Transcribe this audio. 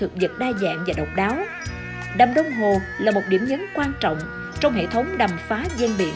với hệ sinh thái động thực vật đa dạng và độc đáo đầm đông hồ là một điểm nhấn quan trọng trong hệ thống đầm phá giang biển của việt nam nói chung